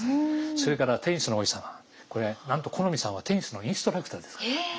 それから「テニスの王子様」。これなんと許斐さんはテニスのインストラクターですから。